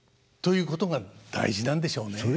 ということが大事なんでしょうね。